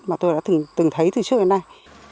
mà tôi đã từng thấy từ trước đến nay